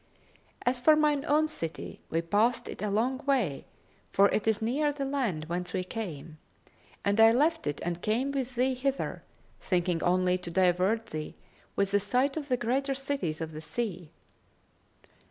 "As for mine own city, we passed it a long way, for it is near the land whence we came, and I left it and came with thee hither, thinking only to divert thee with the sight of the greater cities of the sea."